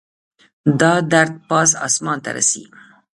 دا درد پاس اسمان ته رسي